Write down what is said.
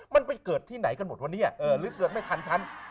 มันไปเกิดที่ไหนกันหมดวะเนี่ยหรือเกิดไม่ทันชั้น